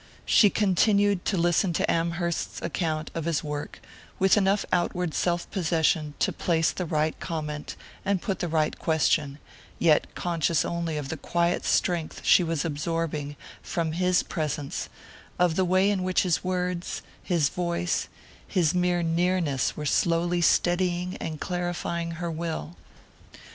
She continued to listen to Amherst's account of his work, with enough outward self possession to place the right comment and put the right question, yet conscious only of the quiet strength she was absorbing from his presence, of the way in which his words, his voice, his mere nearness were slowly steadying and clarifying her will.